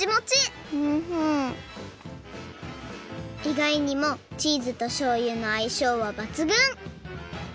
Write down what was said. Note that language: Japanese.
いがいにもチーズとしょうゆのあいしょうはばつぐん！